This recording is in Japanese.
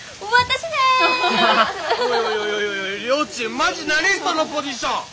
マジ何そのポジション！